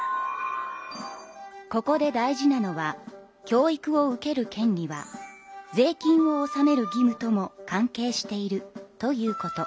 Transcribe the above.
ここで大事なのは教育を受ける権利は税金を納める義務とも関係しているということ。